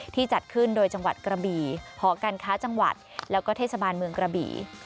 จัดขึ้นโดยจังหวัดกระบี่หอการค้าจังหวัดแล้วก็เทศบาลเมืองกระบี่